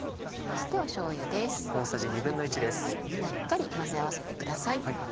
しっかり混ぜ合わせてください。